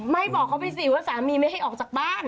บอกเขาไปสิว่าสามีไม่ให้ออกจากบ้าน